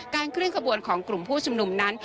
เคลื่อนขบวนของกลุ่มผู้ชุมนุมนั้น